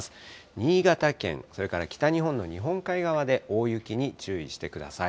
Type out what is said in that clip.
新潟県、それから北日本の日本海側で大雪に注意してください。